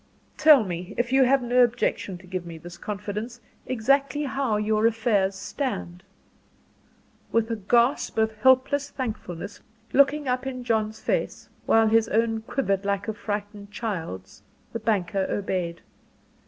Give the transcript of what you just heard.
"Tell me, if you have no objection to give me this confidence, exactly how your affairs stand." With a gasp of helpless thankfulness, looking up in John's face, while his own quivered like a frightened child's the banker obeyed.